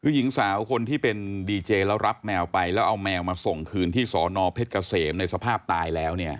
คือหญิงสาวคนที่เป็นดีเจแล้วรับแมวไปแล้วเอาแมวมาส่งคืนที่สอนอเพชรเกษมในสภาพตายแล้วเนี่ย